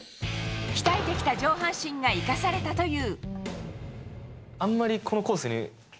鍛えてきた上半身が生かされたという。